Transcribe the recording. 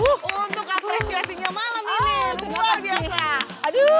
untuk apresiasinya malam ini luar biasa